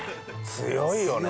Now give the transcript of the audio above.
強いよね。